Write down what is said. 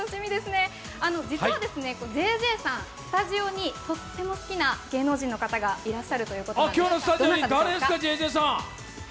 実はＪＪさんスタジオにとっても好きな芸能人の方がいらっしゃるということで。